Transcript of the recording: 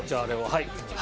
はい。